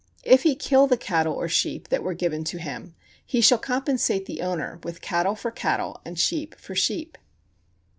If he kill the cattle or sheep that were given to him, he shall compensate the owner with cattle for cattle and sheep for sheep.